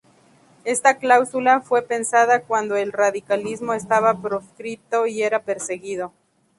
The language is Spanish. Esta cláusula fue pensada cuando el radicalismo estaba proscripto y era perseguido.